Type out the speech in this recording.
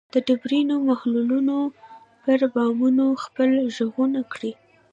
د ډبرینو محلونو پر بامونو خپل ږغونه کري